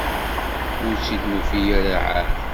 Ur tt-id-nufi ara ɛad.